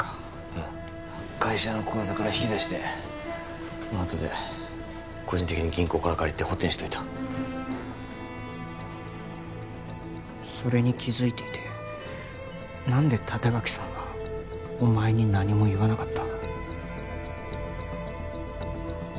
ああ会社の口座から引き出してあとで個人的に銀行から借りて補填しといたそれに気づいていて何で立脇さんはお前に何も言わなかった？